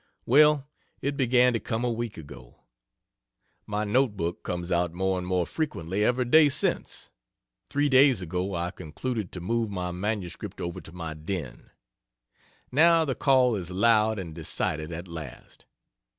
Well, it began to come a week ago; my note book comes out more and more frequently every day since; 3 days ago I concluded to move my manuscript over to my den. Now the call is loud and decided at last.